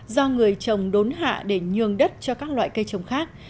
do người trồng đốn hạ để nhường đất cho các loại cây trồng khác